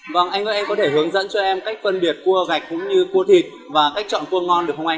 vâng anh ơi em có thể hướng dẫn cho em cách phân biệt cua gạch cũng như cua thịt và cách chọn cua ngon được không anh